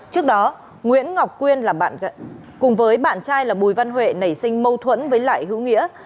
trước đó nguyễn ngọc quyên là bạn cùng với bạn trai là bùi văn huệ nảy sinh mâu thuẫn với lại hữu nghĩa